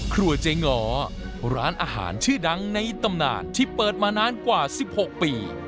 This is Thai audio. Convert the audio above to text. ครัวเจ๊ง้อร้านอาหารชื่อดังในตำนานที่เปิดมานานกว่า๑๖ปี